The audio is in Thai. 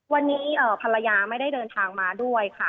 วันนี้ภรรยาไม่ได้เดินทางมาด้วยค่ะ